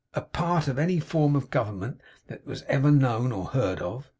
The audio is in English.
A part of any form of government that ever was known or heard of?